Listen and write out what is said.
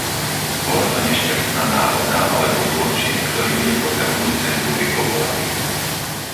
Bola to nešťastná náhoda alebo zločin, ktorý bude podľa budúcej Zmluvy povolený?